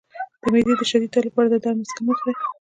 د معدې د شدید درد لپاره د درد مسکن مه خورئ